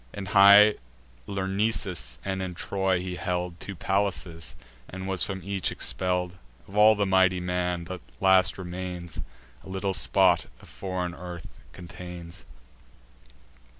In high Lyrnessus, and in Troy, he held Two palaces, and was from each expell'd: Of all the mighty man, the last remains A little spot of foreign earth contains.